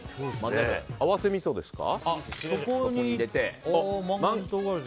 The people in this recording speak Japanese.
合わせみそですか。